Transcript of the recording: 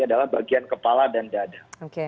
adalah bagian kepala dan dada